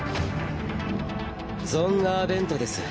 ゾンアーベントです。